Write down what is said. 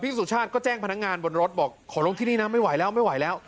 พี่สุชาติก็แจ้งพนักงานบนรถบอกขอลงที่นี่นะไม่ไหวแล้ว